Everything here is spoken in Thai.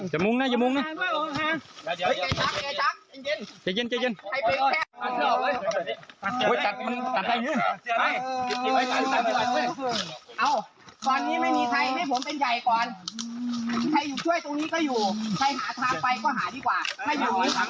หวังกะทิ้งเลย